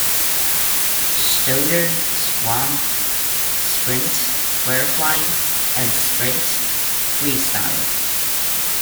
Stouder swam sprint butterfly and sprint freestyle.